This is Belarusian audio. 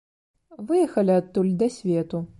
Выехалі адтуль да свету.